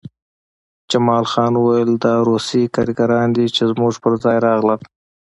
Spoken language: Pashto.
جمال خان وویل دا روسي کارګران دي چې زموږ پرځای راغلل